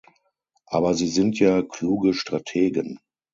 Aber sie sind ja kluge Strategen.